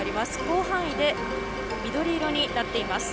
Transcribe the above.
広範囲で緑色になっています。